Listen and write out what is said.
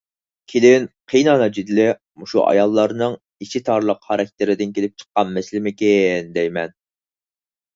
كېلىن-قېيىنئانا جېدىلى مۇشۇ ئاياللارنىڭ ئىچى تارلىق خاراكتېرىدىن كېلىپ چىققان مەسىلىمىكىن دەيمەن.